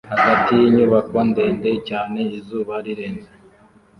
hagati yinyubako ndende cyane izuba rirenze